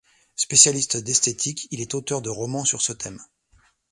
Spécialiste d’esthétique, il est auteur de romans sur ce thème.